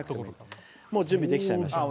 もう準備できちゃいました。